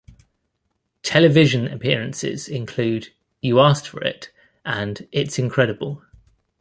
Television appearances include "You Asked for It" and "It's Incredible".